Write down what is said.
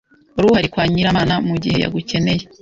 Wari uhari kwa Nyiramana mugihe yagukeneye.